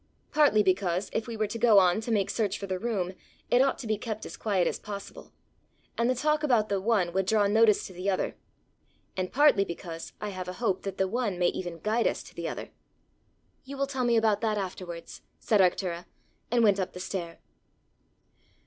"Partly because, if we were to go on to make search for the room, it ought to be kept as quiet as possible, and the talk about the one would draw notice to the other; and partly because I have a hope that the one may even guide us to the other." "You will tell me about that afterwards," said Arctura, and went up the stair.